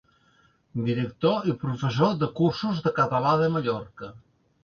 Director i professor de cursos de català de Mallorca.